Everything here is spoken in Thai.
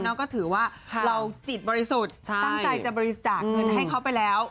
ก็ถือว่าเราจิตบริสุทธิ์ตั้งใจจะบริจาคเงินให้เขาไปแล้ว